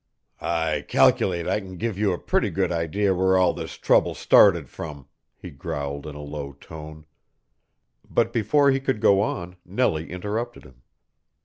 "I cal'late I can give you a pretty good idea where all this trouble started from," he growled in a low tone; but before he could go on Nellie interrupted him.